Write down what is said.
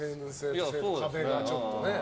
壁がちょっとね。